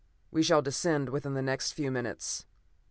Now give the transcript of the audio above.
We shall descend within the next few minutes."